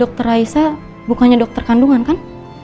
dokter raisa bukannya dokter kandungan kan